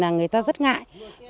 người ta rất ngại